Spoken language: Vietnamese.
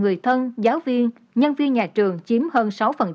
người thân giáo viên nhân viên nhà trường chiếm hơn sáu